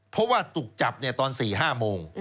เพราะว่าถูกจับตอน๔๕โมง